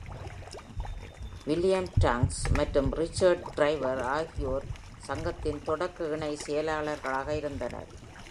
William Tunks மற்றும் Richard Driver ஆகியோர் சங்கத்தின் தொடக்க இணை செயலாளர்களாக இருந்தனர்.